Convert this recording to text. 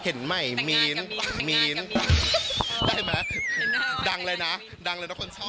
เห็นใหม่มีนมีนได้ไหมดังเลยนะดังเลยนะคนชอบ